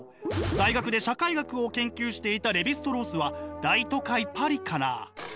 大学で社会学を研究していたレヴィ＝ストロースは大都会パリから。